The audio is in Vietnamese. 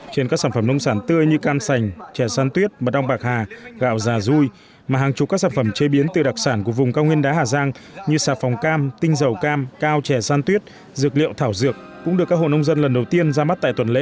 trên các sản phẩm nông sản tươi như cam sành chè san tuyết mật ong bạc hà gạo già rui mà hàng chục các sản phẩm chế biến từ đặc sản của vùng cao nguyên đá hà giang như xà phòng cam tinh dầu cam cao chè san tuyết dược liệu thảo dược cũng được các hộ nông dân lần đầu tiên ra mắt tại tuần lễ